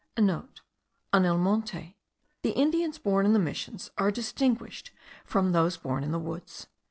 (* En el monte. The Indians born in the missions are distinguished from those born in the woods.